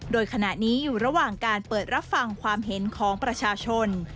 โดยขณะนี้อยู่ระหว่างการเปิดรับฟังความเห็นของประชาชน